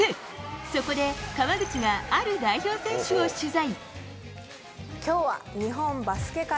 そこで、川口がある代表選手を取材。